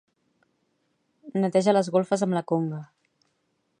Neteja les golfes amb la conga.